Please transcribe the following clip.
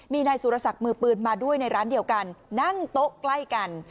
มีนายสุรศักดิ์มือปืนมาด้วยในร้านเดียวกันนั่งโต๊ะใกล้กัน